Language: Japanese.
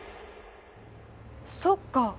そっか。